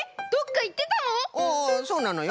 ああそうなのよ。